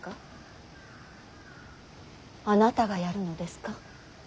あなたがやるのですか。